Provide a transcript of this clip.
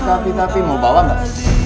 tapi tapi tapi mau bawa gak